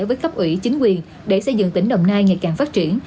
với cấp ủy chính quyền để xây dựng tỉnh đồng nai ngày càng phát triển